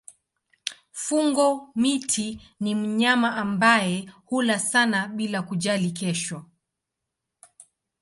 Fungo-miti ni mnyama ambaye hula sana bila kujali kesho.